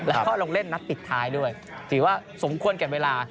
แล้วก็ลงเล่นนัดปิดท้ายด้วยถือว่าสมควรแก่เวลา